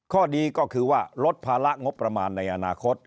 ข้อดีก็คือว่าลดภาระงบประมาณในอนาคต